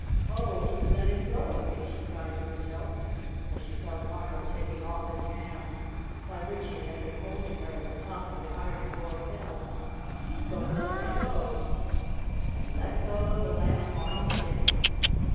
Oh, he's letting go of me!" she cried to herself, as she felt Arnold taking off his hands by which he had been holding her at the top of the ironing board hill. "He's going to let me go!" And let go of the Lamb Arnold did.